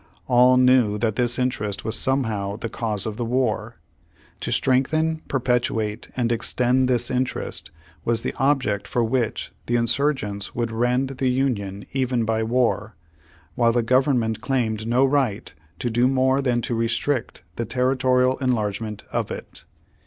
All knew that this interest was somehow the cause of the war. To strengthen, perpetuate, and extend this interest was the object for which the insurgents would rend the Union even by v/ar; while the Government claimed no right to do more than to restrict the terri torial enlargement of it.